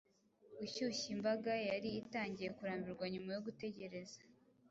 gushyushya imbaga" yari itangiye kurambirwa nyuma yo gutegereza